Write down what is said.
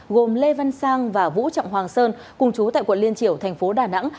gồm lê văn sang và vũ trọng hoàng sơn cùng chú tại quận liên triểu tp đà nẵng